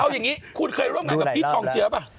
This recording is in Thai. เอาอย่างนี้คุณเคยร่วมงานกับพี่ทองเจือป่ะ